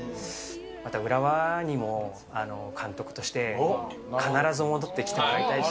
また浦和にも監督として必ず戻ってきてもらいたいし。